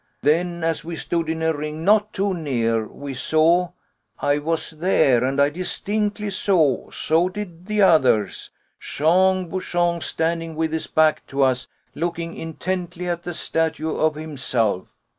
Then, as we stood in a ring, not too near, we saw I was there and I distinctly saw, so did the others Jean Bouchon standing with his back to us, looking intently at the statue of himself.